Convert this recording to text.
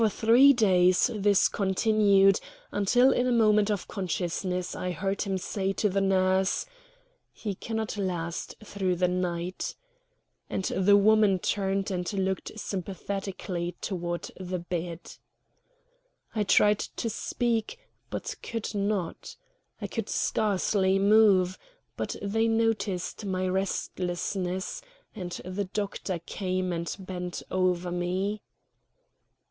For three days this continued, until in a moment of consciousness I heard him say to the nurse: "He cannot last through the night," and the woman turned and looked sympathetically toward the bed. I tried to speak, but could not. I could scarcely move; but they noticed my restlessness, and the doctor came and bent over me.